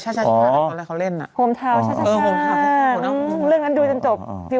เขาบอกไป